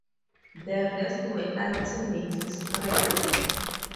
The rest were ultimately scrapped.